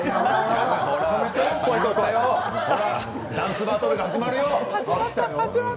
ダンスバトルが始まるよ。